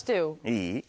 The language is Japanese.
いい？